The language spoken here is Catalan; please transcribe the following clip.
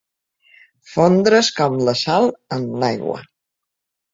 Fondre's com la sal en l'aigua.